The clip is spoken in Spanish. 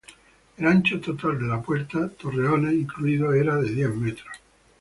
El ancho total de la puerta, torreones incluidos, era de diez metros.